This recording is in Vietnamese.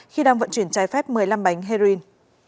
khi đang vận chuyển trái phép một mươi năm bánh heroin